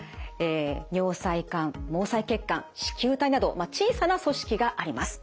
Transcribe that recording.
尿細管毛細血管糸球体など小さな組織があります。